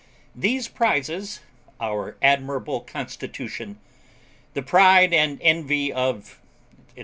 These prizes our admirable Constitution (the pride and envy of, &c.)